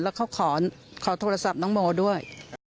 แล้วเขาขอโทรศัพท์น้องโมด้วย